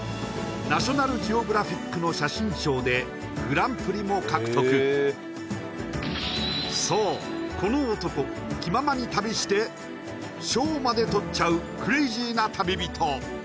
ナショナルジオグラフィックの写真賞でグランプリも獲得そうこの男気ままに旅して賞までとっちゃうクレイジーな旅人